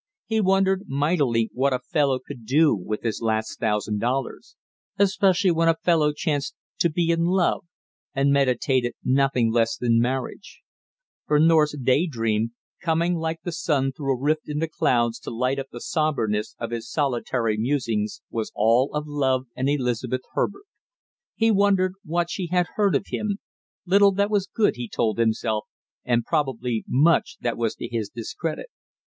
He wondered mightily what a fellow could do with his last thousand dollars, especially when a fellow chanced to be in love and meditated nothing less than marriage; for North's day dream, coming like the sun through a rift in the clouds to light up the somberness of his solitary musings, was all of love and Elizabeth Herbert. He wondered what she had heard of him little that was good, he told himself, and probably much that was to his discredit.